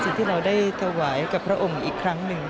สิ่งที่เราได้ถวายกับพระองค์อีกครั้งหนึ่ง